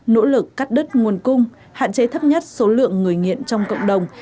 nỗ lực cắt đứt nguồn cung hạn chế thấp nhất số lượng người nghiện trong cộng đồng